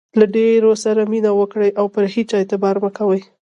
له ډېرو سره مینه وکړئ، او پر هيچا اعتبار مه کوئ!